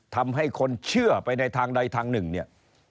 ทำให้คนเชื่อไปในทางใดทางหนึ่งเนี่ย